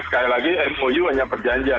sekali lagi mou hanya perjanjian